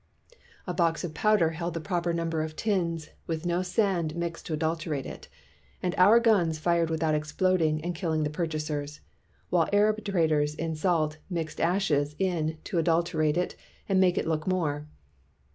A box of powder held the proper number of tins, with no sand mixed to adul terate it, and our guns fired without explod ing and killing the purchasers, while Arab traders in salt mixed ashes in it to adulter ate it and make it look more